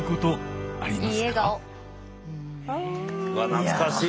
懐かしい！